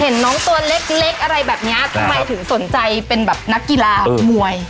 เห็นน้องตัวเล็กเล็กอะไรแบบเนี้ยทำไมถึงสนใจเป็นแบบนักกีฬามวย